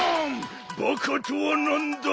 バカとはなんだ？